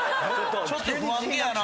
ちょっと不安げやな。